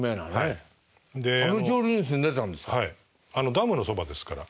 ダムのそばですから。